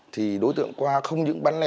thì đối tượng khoa không có thể bán lẻ